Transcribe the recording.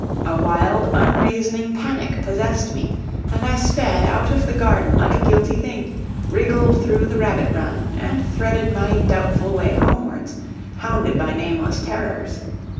A wild unreasoning panic possessed me, and I sped out of the garden like a guilty thing, wriggled through the rabbit run, and threaded my doubtful way homewards, hounded by nameless terrors.